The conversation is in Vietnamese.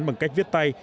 bằng cách viết tay